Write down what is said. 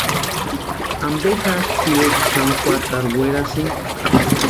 ¿Ampe jásï tʼirekwa xani juatarhu werasïnki?